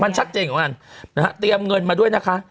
มันชัดเจนของมันนะฮะเตรียมเงินมาด้วยนะคะ